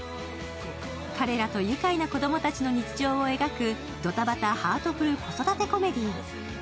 彼らとゆかいな子供たちの日常を描くドタバタ・ハートフル子育てコメディー。